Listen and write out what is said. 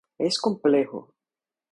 Es complejo.